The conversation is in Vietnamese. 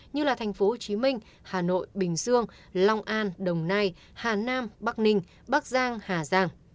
như thành phố hồ chí minh hà nội bình dương long an đồng nai hà nam bắc ninh bắc giang hà giang